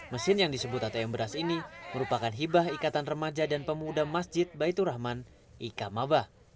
mesin yang disebut atm beras ini merupakan hibah ikatan remaja dan pemuda masjid baitur rahman ika mabah